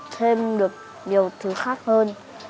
thêm được nhiều thứ khác hơn